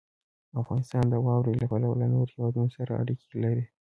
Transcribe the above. افغانستان د واوره له پلوه له نورو هېوادونو سره اړیکې لري.